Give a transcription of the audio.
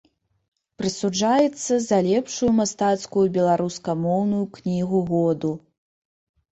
Прысуджаецца за лепшую мастацкую беларускамоўную кнігу году.